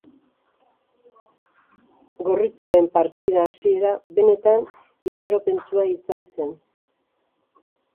Gorritxoen partida hasiera benetan itxaropentsua izan zen.